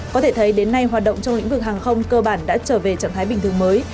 có thể thấy đến nay hoạt động trong lĩnh vực hàng không cơ bản đã trở về trạng thái bình thường mới